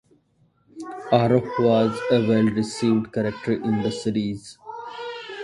Iroh was a well-received character in the series.